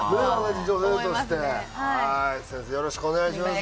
よろしくお願いします。